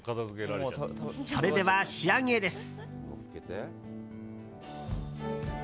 それでは仕上げです。